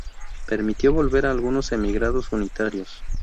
Permitió volver a algunos emigrados unitarios.